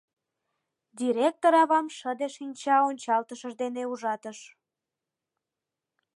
Директор авам шыде шинча ончалтышыж дене ужатыш